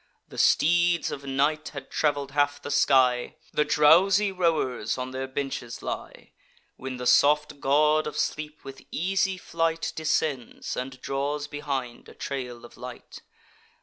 The steeds of Night had travel'd half the sky, The drowsy rowers on their benches lie, When the soft God of Sleep, with easy flight, Descends, and draws behind a trail of light.